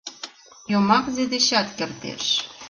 — Йомакзе дечат кертеш.